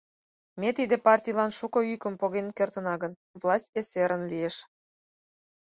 Ме тиде партийлан шуко йӱкым поген кертына гын, власть эсерын лиеш.